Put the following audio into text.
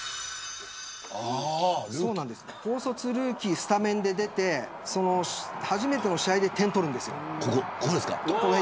高卒ルーキースタメンで出て初めての試合で点を取るんです。